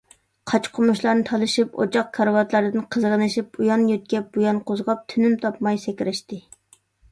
قاچا - قومۇچلارنى تالىشىپ، ئوچاق، كارىۋاتلاردىن قىزغىنىشىپ، ئۇيان يۆتكەپ - بۇيان قوزغاپ، تىنىم تاپماي سەكرەشتى.